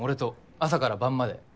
朝から晩まで。